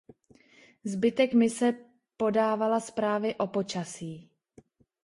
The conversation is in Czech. Zbytek mise podávala zprávy o počasí.